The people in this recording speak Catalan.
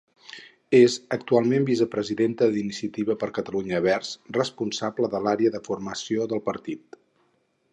És actualment vicepresidenta d'Iniciativa per Catalunya Verds, responsable de l'àrea de Formació del partit.